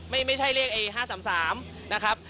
ไม่ใช่เรียกไอ้๕๓๓นะครับ